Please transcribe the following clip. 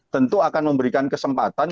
tentu akan memberikan kesempatan